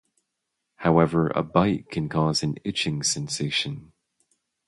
However, a bite can cause an itching sensation.